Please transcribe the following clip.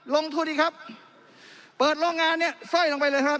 ลงทุนดีครับเปิดโรงงานเนี่ยสร้อยลงไปเลยครับ